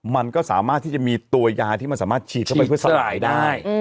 มันก็สามารถที่จะมีตัวยาที่มันสามารถฉีดเข้าไปเพื่อสลายได้